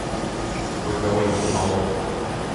We’re going to Aldover.